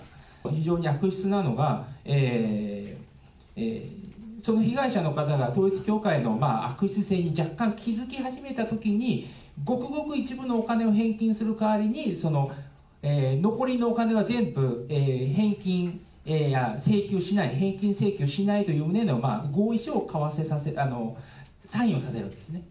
非常に悪質なのが、その被害者の方が統一教会の悪質性に若干気付き始めたときに、ごくごく一部のお金を返金するかわりに、残りのお金は全部、返金、請求しない、返金請求しないという旨の合意書を交わせさせた、サインをさせるんですね。